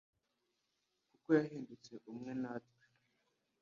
kuko yahindutse umwe natwe.